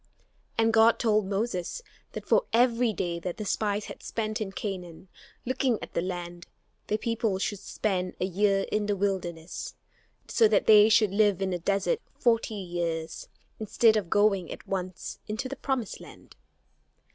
And God told Moses that for every day that the spies had spent in Canaan, looking at the land the people should spend a year in the wilderness; so that they should live in the desert forty years, instead of going at once into the promised land.